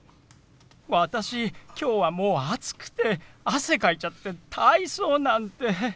私きょうはもう暑くて汗かいちゃって体操なんて。